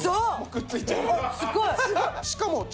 くっついちゃうので。